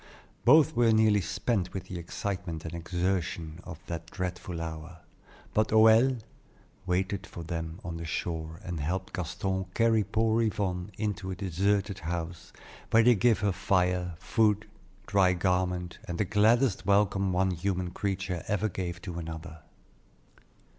Both were nearly spent with the excitement and exertion of that dreadful hour; but Hoël waited for them on the shore and helped Gaston carry poor Yvonne into a deserted house, where they gave her fire, food, dry garments, and the gladdest welcome one human creature ever gave to another.